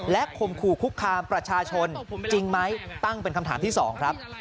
ข่มขู่คุกคามประชาชนจริงไหมตั้งเป็นคำถามที่๒ครับ